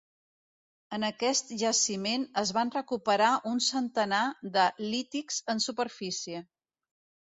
En aquest jaciment es van recuperar un centenar de lítics en superfície.